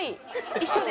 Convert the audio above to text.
一緒です。